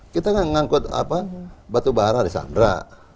kita mengangkut batu bara di sandera